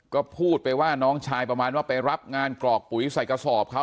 ก็พูดไปว่าน้องชายประมาณว่าไปรับงานกรอกปุ๋ยใส่กระสอบเขา